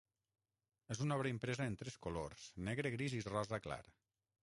És una obra impresa en tres colors: negre, gris i rosa clar.